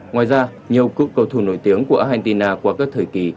ngoài ra nhiều cước cầu thù nổi tiếng của argentina qua các thời kỳ